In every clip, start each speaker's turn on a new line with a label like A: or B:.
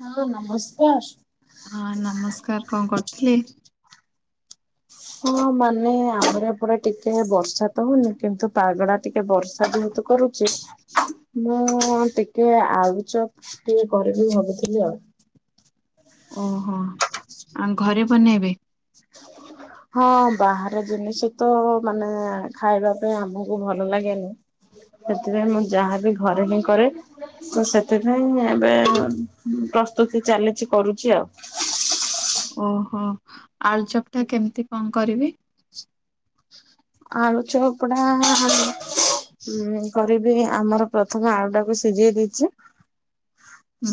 A: ହଁ ନମସ୍କାର।
B: ହଁ ନମସ୍କାର। କଣ କରୁଥିଲେ?
A: ହଁ ମାନେ ଆମର ପରେ ଟିକେ ବର୍ଷା ତ ହଉନି କିନ୍ତୁ ପାଗ ଟା ଟିକେ ବର୍ଷା ଯେହେତୁ କରୁଛି ମୁଁ ଟିକେ ଆଳୁଚପ୍ ଟିକେ କରିବି ଭାବୁଥିଲି ଆଉ।
B: ଓହୋ ଆଉ ଘରେ ବନେଇବେ।
A: [inaudible] ହଁ ବାହାର ଜିନିଷ ତ ମାନେ ଖାଇବା ପାଇଁ ଆମକୁ ଭଲ ଲାଗେନି। ସେଥିପାଇଁ ମୁଁ ଯାହାବି ଘରେ ହିଁ କରେ। ତ ସେଥିପାଇଁ ଏବେ ପ୍ରସ୍ତୁତି ଚାଲିଛି କରୁଛି ଆଉ।
B: ଓହୋ ଆଳଚପ ଟା କେମିତି କଣ କରିବେ?
A: ଆଳୁ ଚପଡା କର ଆମର ପ୍ରଥମେ ଆଳୁ ଟାକୁ ସିଝେଇ ଦେଇଛି।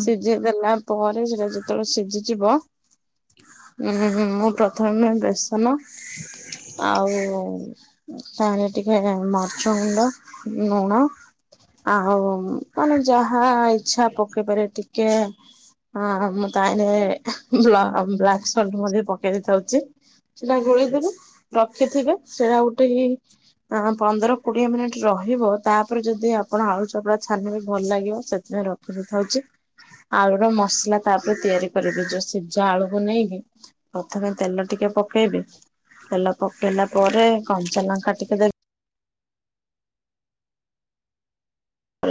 A: ସି ସିଝଇ ଦେଲା ପରେ ସେଟା ଯେତେବେଳେ ସିଝିଯିବ ଉୁଁ ହୁଁ ମୁଁ ପ୍ରଥମେ ବେଶ ଶନ ଆଉ ପାଣି ଟିକେ ଚୁଣ୍ଡ ଲୁଣ ଆଉ ମାନେ ଯାହା ଇଚଛା ପକେଇବାରେ। ଟିକେ ହଁ ମୁଁ ତାଇଁରେ ବ୍ଲାକ୍ ସର୍ଟ ମଧ୍ୟ ପକେଇ ଦେଇଥାଉଛି। ସେଟା ଗୋଳେଇଦବେ ରଖିଥିବେ। ସେଇଟା ଗୋଟେ ପନ୍ଦର କୋଡିଏ ମିନିଟ ରହିବ ତାପରେ ଯଦି ଆପଣ ଆଳୁ ଚପଡା ଛାନିବେ ଭଲ ଲାଗିବ। ସେଥିପାଇଁ ରଖିବେ ଥାଉଛି। ଆଳୁର ର ମସଲା ତାପରେ ତିଆରି କରିବି ଯୋଉ ସିଝା ଆଳୁକୁ ନେଇକି। ପ୍ରଥମେ ତେଲ ଟିକେ ପକେଇବି। ତେଲ ପକେଇଲା ପରେ କଞ୍ଚା ଲଙ୍କା ଟିକେ ଦେ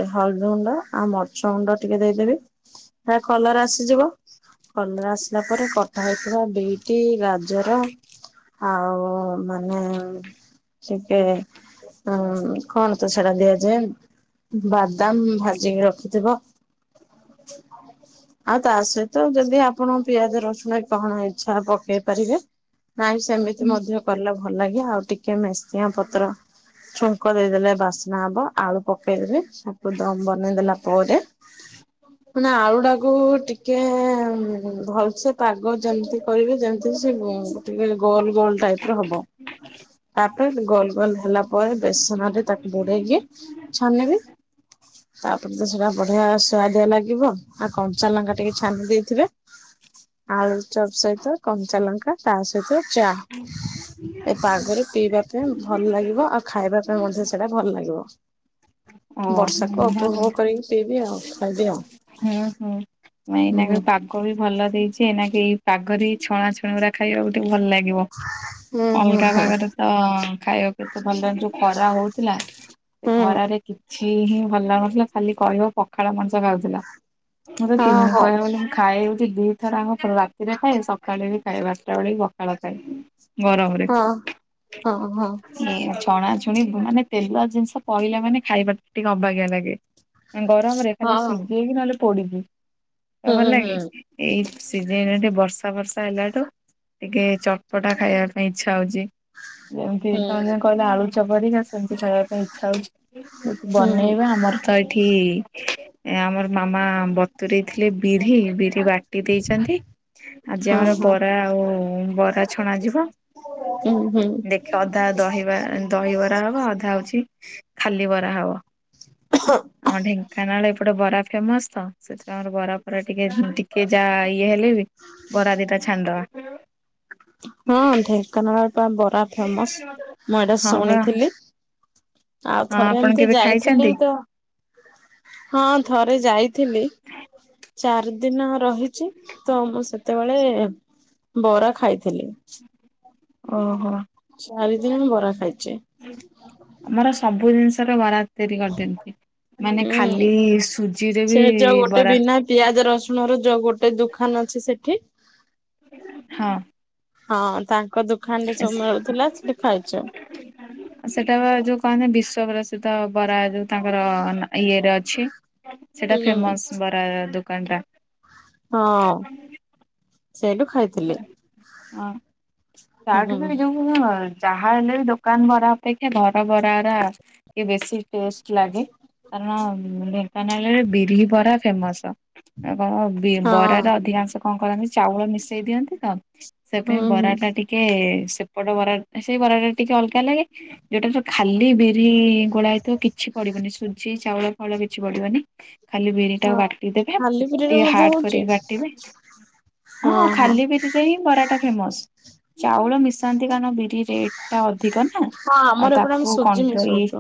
A: ହଳଦୀ ଗୁଣ୍ଡ ଆଉ ମର୍ଚ ଗୁଣ୍ଡ ଟିକେ ଦେଇଦେବି ଏ କଲର ଆସିଯିବ। କଲର ଆସିଲା ପରେ କଟା ହେଇଥିବା ଦିଟି ଗାଜର ଆଉ ମାନେ ଟିକେ ହଁ କଣ ତୁ ସେଟା ଦିଆଯାଏ। ବାଦାମ ଭାଜିକି ରଖିଥିବ।
B: [inaudible]
A: ଆଉ ତା ସହିତ ଯଦି ଆପଣ ପିଆଜ ରସୁଣ କଣ ଇଚଛା ପକେଇ ପାରିବେ। ନାଇଁ ସେମିତି ମଧ୍ୟ କଲେ ଭଲ ଲାଗେ। ଆଉ ଟିକେ ମେସିଆ ପତ୍ର ଛୁଙ୍କ ଦେଇଦେଲେ ବାସ୍ନା ହବ। ଆଳୁ ପ ପେଇଦ ତାକୁ ଦମ ବନେଇଦଲା ପରେ ମାନ ଆଳୁଡା କୁ ଟିକେ ଭଲସେ ପାଗ ଯେମିତି କରିବେ ଯେମିତି ସେ ଟିକେ ଗୋଲ ଗୋଲ ଟାଇପ ର ହବ, ତାପରେ ଗୋଲ ଗୋଲ ହେଲା ପରେ ବେସନ ରେ ତାକୁ ବୁଡେଇକିଏ ଛାନିବି। ତାପରେ ତ ସେଟା ବଢିଆ ସୁଆଦିଆ ଲାଗିବ। ଆଉ କଞ୍ଚା ଲଙ୍କା ଟିକେ ଛାଣି ଦେଇଥିବେ। ଆଳୁଚପ୍ ସହିତ କଞ୍ଚା ଲଙ୍କା ତା ସହିତ ଚା। ଏ ପାଗରେ ପିଇବା ପାଇଁ ଭଲ ଲାଗିବ ଆଉ ଖାଇବା ପାଇଁ ମଧ୍ୟ ସେଇଟା ଭଲ ଲାଗିବ।
B: ଓହୋ
A: ବର୍ଷାକୁ
B: ଭଲ
A: ଉପପଭୋଗ କରିକି ପିଇବି ଆଉ ଖାଇବି ଆଉ।
B: ହୁଁ ହୁଁ
A: ହୁଁ
B: ଏଇନାକ ପାଗ ବି ଭଲ ଦେଇଛି ଏଇନାକି ଏଇ ପାଗରେ ଛଣା ଛୁଣ ଗୁରା ଖାଇବାକୁ ଟିକେ ଭଲ ଲାଗିବ।
A: ହୁଁ ହୁଁ
B: ଅଲଗା
A: ହୁଁ
B: ପାଗରେ ତ ଖାଇବାକୁ ଏତେ ଭଲ ଯୋଉ ଖରା ହଉ ଥିଲା ସେ
A: ହୁଁ
B: ଖରାରେ କିଛି ହିଁ ଭଲ ଲାଗୁନଥିଲା ଖାଲି କହିବ ପଖାଳ ମଣିଷ ଖାଉଥିଲା। ମୁଁ ତ
A: ହଁ
B: ତିନି
A: ହଁ
B: କହିଆକୁ ଗଲେ ଖାଏ ହଉଛି ଦିଥର ଆମ ରାତିରେ ଖାଏ ସକାଳେ ବି ଖାଏ, ବାରଟା ବେଳେ ବି ପଖାଳ ଖାଏ। ଗରମରେ
A: ହଁ। ହଁ ହଁ
B: ଇ ଛଣାଛଣି ମାନେ ତେଲୁଆ ଜିନିଷ ପହିଲା ମାନେ ଖାଇବାକୁ ଟିକେ ଅବାଗିଆ ଲାଗେ, ଗରମରେ ଖାଲି
A: ହଁ
B: ସି ଜେଇକି ନହେଲେ ପୋଡ଼ିକି ତ
A: ହୁଁ
B: ଭଲ
A: ହୁଁ
B: ଲାଗେ।
A: ହୁଁ
B: ଏଇ ସିଜନ ଟେ ବର୍ଷା ବର୍ଷା ହେଲାଠୁ ଟିକେ ଚଟପଟା ଖାଇବା ପାଇଁ ଇଚ୍ଛା ହଉଛି। ଯେମତି
A: ହୁଁ।
B: ତମେ କହିଲେ ଆଳୁ ଚକଟିକା ସେମିତି ଖାଇବା ପାଇଁ ଇଚ୍ଛା ହଉଛି।
A: ହଁ
B: ବନେଇବା ଆମର ତ ଏଠି ଏ ଆମର ମାମା ବତୁରେଇ ଥିଲେ ବିରି, ବିରି ବାଟି ଦେଇଛନ୍ତି। ଆଜି ଆମର
A: ହଁ
B: ବରା ଆଉ ବରା ଛଣା ଯିବ।
A: ହୁଁ ହୁଁ
B: ଦେଖେ ଅଧା ଦହିବା ଦହିବରା ହବ ଅଧା ହଉଛି ଖାଲି ବରା ହବ, ଆମ ଢେଙ୍କାନାଳ ଏପଟେ ବରା ଫେମସ ତ ସେଥିପାଇଁ ଆମର ବରା ଫରା ଟିକେ କେ ଯା ଇଏ ହେଲେ ବି ବରା ଦିଟା ଛାଣିଦବା।
A: ହଁ, ଢେଙ୍କାନାଳ ବା ବରା ଫେମସ ମୁଁ ଏଇଟା
B: ହଁ ପରା
A: ଶୁଣିଥିଲି। ଆଉ
B: ହଁ
A: ଥରେ
B: ଆପଣ
A: ଏମିତି
B: କେବେ
A: ଯାଇଥିଲି
B: ଖାଇଛନ୍ତି?
A: ତ ହଁ, ଥରେ ଯାଇଥିଲି ଚାରି ଦିନ ରହିଛି ତ ମୁଁ ସେତେବେଳେ ବରା ଖାଇଥିଲି।
B: ଓହୋ।
A: ଚାରି ଦିନ ବରା ଖାଇଛି।
B: ଆମର ସବୁ ଜିନିଷରେ ବରା। ତିଆରି କରିଦିଅନ୍ତି, ମାନେ
A: ହୁଁ।
B: ଖାଲି ସୁଜିରେ
A: ସେ
B: ବି
A: ଯୋଉ ଗୋଟେ
B: ବରା
A: ବିନା ପିଆଜ, ରସୁଣ ର ଯୋଉ ଗୋଟେ ଦୁକାନ ଅଛି ସେଠି।
B: ହଁ।
A: ହଁ, ତାଙ୍କ ଦୁକାନ ରେ ସବୁ ମିଳୁଥିଲା ସେଠି ଖାଇଛୁ।
B: ସେଇଟା ବା ଯୋଉ କହନ୍ତି ବିଶ୍ଵ ପ୍ରସିଦ୍ଧ ବରା ଯୋଉ ତାଙ୍କର ଇଏରେ ଅଛି। ସେଟା
A: ହୁଁ
B: ଫେମସ ବରା ଦୋକାନ ଟା।
A: ହଁ, ସେଇଠୁ ଖାଇଥିଲି।
B: ଟା।
A: ହୁଁ
B: ତାଠୁ
A: ହଁ
B: ବି
A: ହୁଁ
B: ଏଇ ଯୋଉଁ ହଁ, ଯାହା ହେଲେ ବି ଦୋକାନ ବରା ଅପେକ୍ଷା ଘର ବରା ଅରା କି ବେଶୀ ଟେଷ୍ଟ ଲାଗେ, କାରଣ ଢେଙ୍କାନାଳରେ ବିରି ବରା ଫେମସ। ଆଉ କଣ ବରାରେ ଅଧିକାଂଶ କଣ କରନ୍ତି ଚାଉଳ ମିଶେଇ ଦିଅନ୍ତି ତ ସେଥି ପାଇଁ
A: ହୁଁ
B: ବରାଟା ଟିକେ ସେପଟ ବରା ସେଇ ବରାଟା ଟିକେ ଅଲଗା ଲାଗେ। ଯୋଉଟା ତ ଖାଲି ବିରି ଗୋଳା ହେଇଥିବ କିଛି ପଡିବନି ସୁଜି ଚାଉଳ ଫଳ କିଛି ପଡିବନି ଖାଲି ବିରି ଟା
A: ହଁ।
B: ବାଟିଦବେ
A: ଖାଲି ପୁରୀରେ
B: ଟିକେ
A: ମଧ୍ୟ
B: ହାର୍ଡ
A: ହଉଛି
B: କରିକି ବାଟିବେ। ହଁ, ଖାଲି ବିରିରେ ହିଁ ବରାଟା ଫେମସ। ଚାଉଳ ମିଶାନ୍ତି କାରଣ ବି ରେଟ୍ ଟା ଅଧିକ ନା
A: ହଁ
B: ଆଉ
A: ଆମର ଏପଟେ ଆମେ
B: ତାକୁ
A: ସୁଜି
B: କଣ୍ଟ୍ରୋଲ
A: ମିଶଉଛୁ।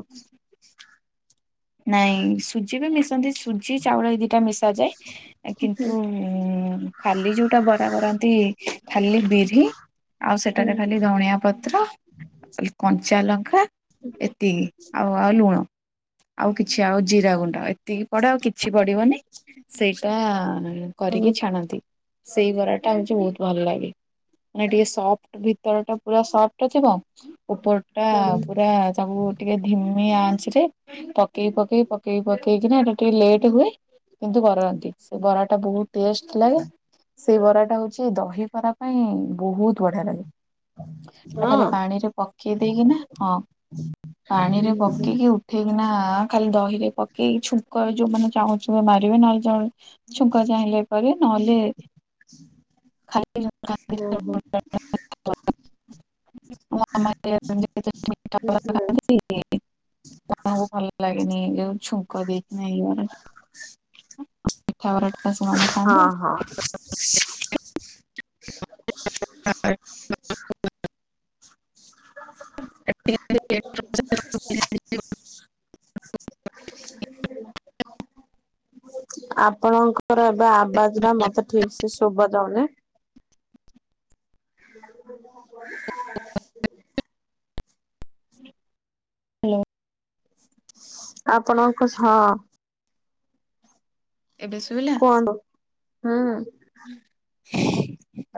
B: ନାଇଁ ସୁଜି ବି ମିଶନ୍ତି ସୁ ଜି ଚାଉଳ ଏଇ ଦିଟା ମିଶା ଯାଏ
A: ହୁଁ
B: କିନ୍ତୁ ଖାଲି ଯୋଉଟା ବରା କରନ୍ତି ଖାଲି ବିରି ଆଉ
A: ହୁଁ
B: ସେଟାରେ ଖାଲି ଧଣିଆ ପତ୍ର କଞ୍ଚା ଲଙ୍କା ଏତିକି ଆଉ ଆଉ ଲୁଣ। ଆଉ କିଛି ଆଉ ଜିରା ଗୁଣ୍ଡ ଏତିକି ପଡ଼େ ଆଉ କିଛି ପଡ଼ିବନି ସେଇଟା କରିକି
A: ହୁଁ
B: ଛାଣନ୍ତି ସେଇ ବରା ଟା ହଉଛି ବହୁତ ଭଲ ଲାଗେ। ମାନେ ଟିକେ ସଫ୍ ଭିତର ଟା ପୁରା ସଫ୍ଟଥିବ ଉପର ଟା ପୁରା ତାକୁ ଟିକେ ଧିମି ଆଞ୍ଚି ରେ ପକେଇ ପକେଇ ପକେଇ ପକେଇକିନା ଏଟା ଟିକେ ଲେଟ ହୁଏ। କିନ୍ତୁ କରନ୍ତି ସେ ବରା ଟା ବହୁତ ଟେଷ୍ଟଥି ଲାଗେ ସେ ବରାଟା ହଉଛି ଦହିିବରା ପାଇଁ ବହୁତ ବଢିଆ ରହେ। ଖାଲି
A: ହଁ।
B: ପାଣି ରେ ପକେଇ ଦେଇକି ନା ହଁ। ପାଣି ରେ ପକେଇକି ଉ ଥେଇକିନା ଖାଲି ଦହିରେ ପକେଇକି ଛୁଙ୍କ ଯୋଉମାନେେ ଚାହୁଁଥିବେ ମାରିବେ ନହେଲେ ଚା ଛୁଙ୍କ ଚାହିଁଲେ କରିବେ ନହେଲେ ଖା
A: ହୁଁ
B: [unintelligible] ମ
A: ହୁଁ।
B: [unintelligible] ତାଙ୍କୁ ଭଲ ଲାଗେନି ଏ ଯଉ ଛୁଙ୍କ ଦେଇକିନା ଏଇାର [unintelligible]
A: ହଁ ହଁ।
B: [unintelligible]
A: ହ
B: [unintelligible]
A: ଆପଣଙ୍କର ଏବେ ଆବାଜ ଟା ମତେ ଠିକ ସେ ଶୁଭା ଯାଉନି।
B: ହ୍ୟାଲୋ।
A: ଆପଣଙ୍କ ସହ
B: ଏବେ ଶୁବିଲା?
A: କୁହନ୍ତୁ? ହୁଁ।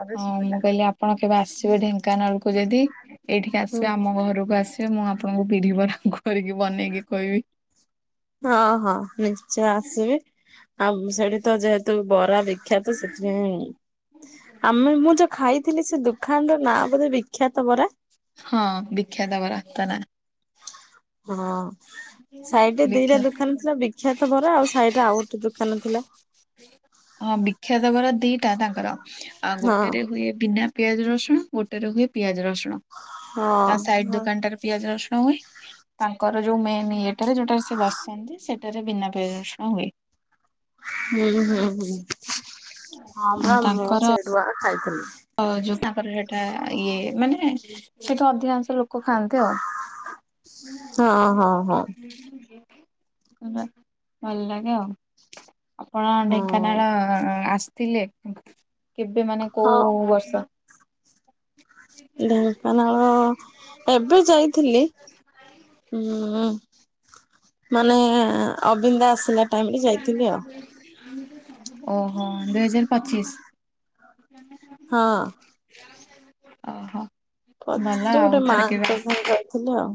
A: ଏବେ
B: ମୁଁ
A: ଶୁଭିଲା।
B: କହିଲି ଆପଣ କେବେ ଆସିବେ ଢେଙ୍କାନାଳ କୁ ଯଦି ଏଇଠିକି ଆସିବେ ଆମ ଘରକୁ ଆସିବେ ମୁଁ ଆପଣଙ୍କୁ ବିରିବରା କରିକି ବନେଇକି ଖୋଇବି।
A: ହଁ ହଁ ନିଶ୍ଚୟ ଆସିବି ଆଉ ସେଠି ତ ଯେହେତୁ ବରା ବ ବିକ୍ଷାତ ସେଥିପାଇଁ ଆମେ ମୁଁ ଯୋଉ ଖାଇଥିଲି ସେ ଦୋକାନ ର ନାଁ ବୋଧେ ବି ବିଖ୍ୟାତ ବରା।
B: ହଁ ବିଖ୍ୟାତ ବରା ଆତ ନା।
A: ହଁ ସାଇଟରେ
B: ବିଖ୍ୟା
A: ଦିଟା ଦୋକନ ଥିଲା ବିଖ୍ୟାତ ବରା ଆଉ ସାଇଟ ରେ ଆଉ ଗୋଟେ ଦୋକାନ ଥିଲା।
B: ହଁ ବିଖ୍ୟାତବରା ଦିଟା ତାଙ୍କର ଆ
A: ହଁ।
B: ଗୋଟେରେ ହୁଏ ବିନା ପିଆଜ ରସୁଣ ଗୋଟେରେ ହୁଏ ପିଆଜ ରସୁଣ
A: ହଁ
B: ତା ସାଇଡ
A: ହଁ
B: ଦୋକାନ ଟାରେ ପିଆଜ ରସୁଣ ହୁଏ। ତାଙ୍କର ଯୋଉ ମେନ୍ ଇଏଟାରେ ଯୋଉଟ ସେ ବସନ୍ତି ସେଟାରେ ବିନା ପିଆଜରସୁଣ ହୁଏ।
A: ହୁଁ, ହୁଁ, ହୁଁ ହଁ ଭା ମୁଁ ସେଇଠୁ ଆ, ଖାଇଥିଲି।
B: ଅ, ଯୋଉ ତାଙ୍କର ସେଟା ଇଏ ମାନେ ସେଇଠୁ ଅଧିକାଂଶ ଲୋକ ଖାଆନ୍ତି ଆଉ। ହଁ ପା ଭଲ ଲାଗେ ଆଉ। ଆପଣ
A: ହଁ
B: ଢେଙ୍କାନାଳ ଆସିଥିଲେ କେବେ ମାନେ
A: ହଁ
B: କୋଉ ବର୍ଷ?
A: ଢେଙ୍କାନାଳ ଏବେ ଯାଇଥିଲି। [unintelligible] ମାନେ ଅବିମ୍ ଦାସ
B: [inaudible] ଓହୋ! ଦୁଇହଜାର ପଚିଶ?
A: ହଁ।
B: ଓହୋ,
A: ପଚିଶ
B: ଭଲ
A: ରେ
B: ଆଉ
A: ଗୋଟେ
B: ଥରେ କେବେ
A: ମାଆଙ୍କ
B: ଆସ
A: ଘରେ ରହିଥିଲେ ଆଉ।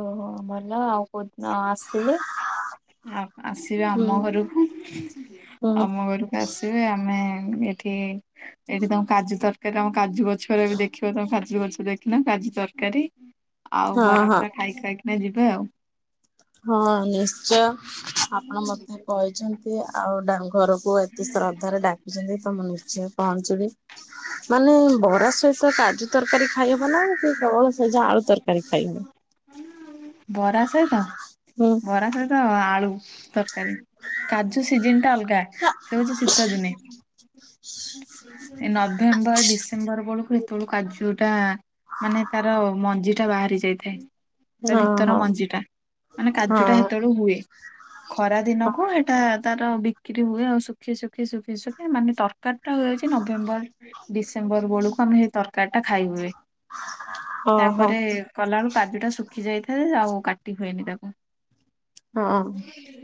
B: ଓହୋ, ଭଲ ଆଉ କୋଉଦିନ ଆସିଲେ ଆ, ଆସିବେ
A: ହୁଁ
B: ଆମ ଘରକୁ,
A: ହୁଁ
B: ଆମ ଘରୁ ଆସିବେ ଆମେ ଏଠି ଏଠି ତୋମ କାଜୁ ତର କେ ତୋମ କାଜୁ ଗଛରେ ବି ଦେଖିବ ତୋମେ କାଜୁ ଗଛ ଦେଖିନ। କାଜୁ ତରକାରୀ ଆଉ
A: ହଁ
B: ବରା
A: ହଁ
B: ଫରା ଖାଇ ଖାଇକିନା ଯିବେ ଆଉ।
A: ହଁ ନିଶ୍ଚୟ ଆପଣ ମୋତେ କହିଛନ୍ତି ଆଉ ଡାଙ୍ଗ ଘରକୁ ଏତେ ଶ୍ରଦ୍ଧାରେ ଡାକିଚନ୍ତି। ତ ମୁଁ ନିଶ୍ଚୟ ପହଞ୍ଚିବି। ମାନେ ବରା ସହିତ କାଜୁ ତରକାରୀ ଖାଇହବ ନା କି କେବଳ ସେଇ ଯୋ ଆଳୁ ତରକାରୀ ଖାଇହବ?
B: ବରା ସହିତ,
A: ହୁଁ
B: ବରା ସଇ ତ ଆଳୁ ତରକାରୀ, କାଜୁ ସିଜନ୍ ଟା ଅଲଗା ସେ ହଉଚି ଶୀତ ଦିନେ। ଏ ନଭେମ୍ବର ଡିସେମ୍ବର ବଳୁକୁ ହେତେଳୁ କାଜୁ ଟା ମାନେ ତାର ମଞ୍ଜି ଟା ବାହାରି ଯାଇଥାଏ। ତା
A: ହଁ
B: ଭିତର
A: ହଁ
B: ମଞ୍ଜି ଟା, ମାନେ କାଜୁଟା ହେତେଳୁ ହୁଏ। ଖରା
A: ହଁ
B: ଦିନକୁ ହେଟା ତାର ବିକ୍ରି ହୁଏ ଆଉ ଶୁଖି ଶୁଖି ଶୁଖି ଶୁଖି ମାନେ ତରକାରୀ ଟା ହୁଏ ଯେ ଏ ନଭେମ୍ବର ଡିସେମ୍ବର ବଳୁକୁ ଆମେ ଏ ତରକାରୀ ଟା ଖାଇ ହୁଏ।
A: ହଁ ହଁ
B: ତାପରେ ଏ କଲାଳୁ କାଜୁ ଟା ଶୁଖି ଯାଇଥାଏ ଆଉ କାଟି ହୁଏନି ତାକୁ।
A: ହଁ।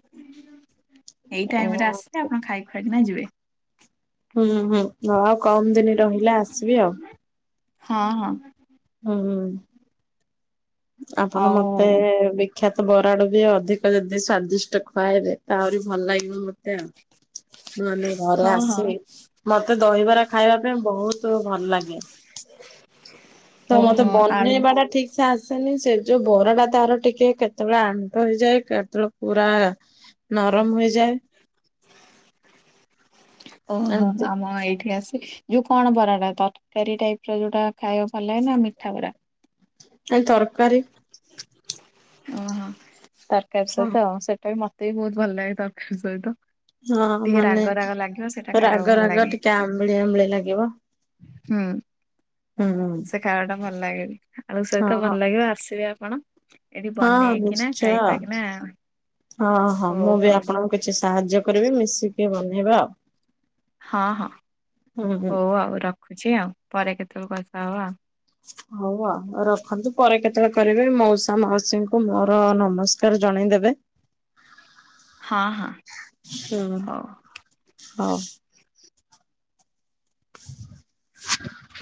B: ଏଇ ଟାଇମ୍ ରେ
A: ଏ
B: ଆସିବେ ଆପଣ ଖାଇ ଖୁଆକିନା ଯିବେ।
A: ହୁଁ, ହୁଁ ନ ଆଉ କମ ଦିନି ରହିଲା ଆସିବି ଆଉ।
B: ହଁ, ହଁ।
A: ହଁ, ହଁ। ଆପଣ
B: ଆଉ
A: ମୋତେ ବି ଖ୍ୟାତ ବରାଡୁ ବି ଅଧିକ ଯଦି ସ୍ଵାଦିଷ୍ଟ ଖୁଆଇବେ ତ ଆହୁରି ଭଲ ଲାଗିବ ମୋତେ ଆଉ। ମୁଁ ଆମ ଘରେ
B: ହଁ ହଁ
A: ଆସିଲେ ମୋତେ ଦହିବରା ଖାଇବା ପାଇଁ ବହୁତ ଭଲ ଲାଗେ। ତ ମୋତେ
B: ଓହୋ ଆଳୁ
A: ବନେଇବା ଟା ଠିକ ସେ ଆସେନି ସେ ଯୋଉ ବରା ଟା ତାର ଟିକେ କେତେବେଳେ ଆଣ୍ଟ ହେଇଯାଏ। କେତେବେଳେ ପୁରା ନରମ ହେଇଯାଏ।
B: ଓହୋ,
A: ଏମିତି
B: ଆମ ଏଇଠି ଆସି ଯୋଉ କଣ ବରା ଟା ତରକାରୀ ଟାଇପ୍ ର ଯୋଉଟା ଖାଇବାକୁ ଭଲ ଲାଗେ ନା ମିଠା ବରା?
A: ନାଇଁ ତରକାରୀ।
B: ଓହୋ! ତରକାରୀ
A: ହଁ
B: ସହିତ ସେଟା ବି ମୋତେ ବି ବହୁତ ଭଲ ଲାଗେ ତରକାରୀ ସହିତ।
A: ହଁ
B: ଟିକେ
A: ମାନେ
B: ରାଗ ରାଗ ଲାଗିବ ସେଇଟା ଖାଇବାକୁ
A: ରାଗ
B: ଭଲ
A: ରାଗ
B: ଲାଗେ
A: ଟିକେ ଆମ୍ବଳିଆ ଆମ୍ବଳିଆ ଲାଗିବ।
B: ହୁଁ।
A: ହୁଁ ହୁଁ।
B: ଖାଇବାଟା ଭଲ ଲାଗେନି ଆଳୁ
A: ହଁ
B: ସହିତ
A: ହଁ
B: ଭଲ ଲାଗିବ ଆସିବେ ଆପଣ। ଏଇଠି
A: ହଁ
B: ବନେଇକିନା
A: ନିଶ୍ଚୟ
B: ଖାଇ ଖୁଆକିନା
A: ହଁ ହଁ
B: ହଉ
A: ମୁଁ ବି
B: ଆଉ।
A: ଆପଣଙ୍କୁ କିଛି ସାହାଯ୍ୟ କରିବି ମିଶିକି ବନେଇବା ଆଉ।
B: ହଁ ହଁ
A: ହୁଁ ହୁଁ
B: ହଉ ଆଉ ରଖୁଚି ଆଉ ପରେ କେତେବେଳେ କଥା ହବା ଆଉ।
A: ହଉ ଆଉ ରଖନ୍ତୁ ପରେ କେତେବେଳେ କରିବେ ମଉସା ମାଉସୀଙ୍କୁ ମୋର ନମସ୍ କାର ଜଣେଇଦେବେ।
B: ହଁ ହଁ
A: ହୁଁ
B: ହଉ।
A: ହଉ। [inaudible]